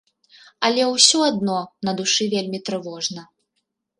Але ўсё адно на душы вельмі трывожна.